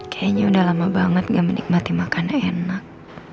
kayaknya udah lama banget gak menikmati makannya enak